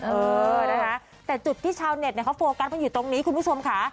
เออนะคะแต่จุดที่ชาวเน็ตเนี่ยเขาโฟกัสกันอยู่ตรงนี้คุณผู้ชมค่ะ